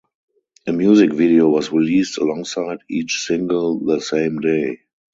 A music video was released alongside each single the same day.